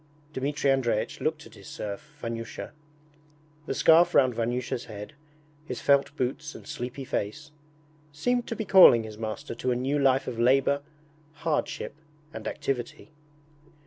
Dmitri Andreich looked at his serf, Vanyusha. The scarf round Vanyusha's head, his felt boots and sleepy face, seemed to be calling his master to a new life of labour, hardship, and activity.